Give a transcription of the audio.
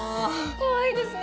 かわいいですね！